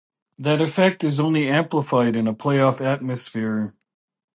That effect is only amplified in a playoff atmosphere.